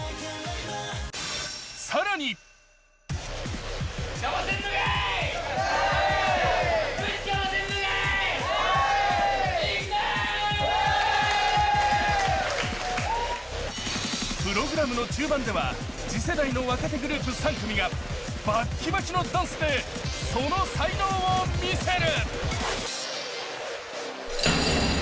更にプログラムの中盤では次世代の若手グループ３組がバッキバキのダンスでその才能を見せる。